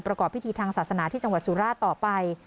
ประกอบพิธีทางศาสนาที่จังหวัดสุราชต่อไป